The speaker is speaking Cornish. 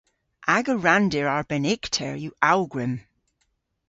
Aga ranndir arbennikter yw awgwrym.